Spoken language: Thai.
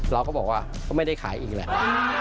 เราก็บอกว่าก็ไม่ได้ขายอีกแหละ